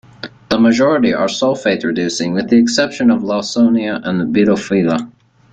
The majority are sulfate-reducing, with the exception of "Lawsonia" and "Bilophila".